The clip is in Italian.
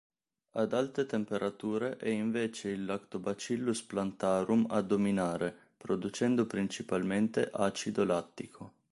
Ad alte temperature è invece il "Lactobacillus plantarum" a dominare, producendo principalmente acido lattico.